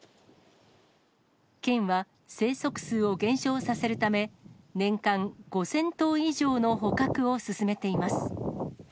県は、生息数を減少させるため、年間５０００頭以上の捕獲を進めています。